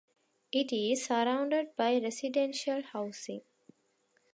It is surrounded by residential housing.